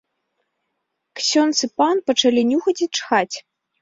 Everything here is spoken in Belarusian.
Ксёндз і пан пачалі нюхаць і чхаць.